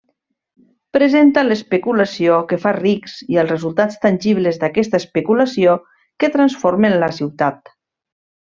Presenta l'especulació que fa rics i els resultats tangibles d'aquesta especulació que transformen la ciutat.